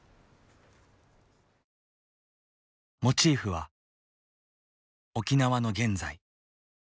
モチーフは沖縄の現在。